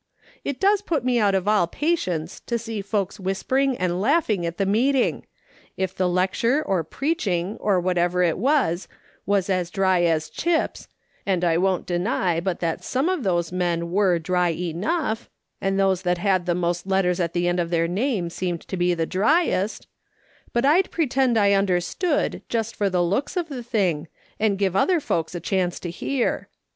It does put me out of all patience to see SHE HAS TRIALS AND COMPENSA TIONS. 33 folks whispering and laugliing at the meeting ; if the lecture or preaching, or whatever it was, was as dry as chips — and I won't deny but that some of those men were dry enough ; and those that had the most letters at the end of their name seemed to be the dry est — but I'd pretend I understood, just for the looks of the thing, and give other folks a chance to hear.